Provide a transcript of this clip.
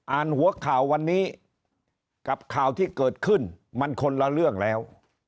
หัวข่าววันนี้กับข่าวที่เกิดขึ้นมันคนละเรื่องแล้ว